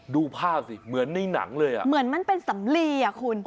ดูภาพสิเหมือนในหนังเลยอ่ะเหมือนมันเป็นสำลีอ่ะคุณ